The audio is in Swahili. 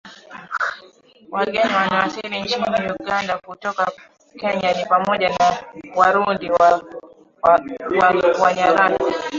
Wageni wanaowasili nchini Uganda kutoka Kenya ni pamoja na Warundi na Wanyarwanda